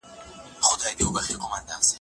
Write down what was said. هوجرې نه، له دیرې نه، له جوماته له خیمې نه